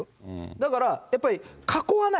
だから、やっぱり、囲わない。